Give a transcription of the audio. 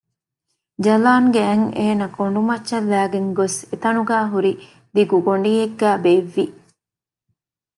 ޖަލާން ގެ އަތް އޭނަ ކޮނޑުމައްޗަށް ލައިގެން ގޮސް އެތަނުގައި ހުރި ދިގު ގޮޑިއެއްގައި ބޭއްވި